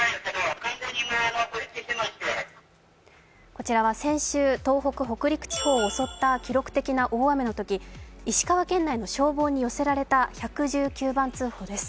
こちらは先週、東北、北陸地方を襲った記録的な大雨のとき石川県内の消防に寄せられた１１９番通報です。